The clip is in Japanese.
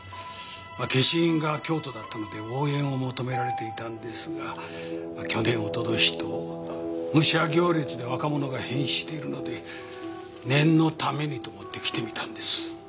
まっ消印が京都だったので応援を求められていたんですが去年おととしと武者行列で若者が変死しているので念のためにと思って来てみたんです。